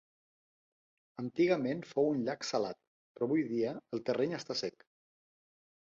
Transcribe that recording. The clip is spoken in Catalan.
Antigament fou un llac salat, però avui dia el terreny està sec.